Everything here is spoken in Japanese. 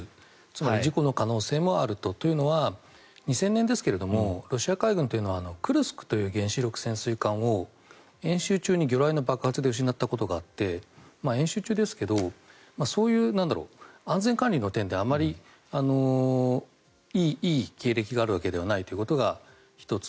つまり事故の可能性もあるというのはというのは２０００年ですがロシア海軍というのは「クルスク」という原子力潜水艦を演習中に魚雷の爆発で失ったことがあって演習中ですがそういう安全管理の点であまりいい経歴があるわけではないということが１つ。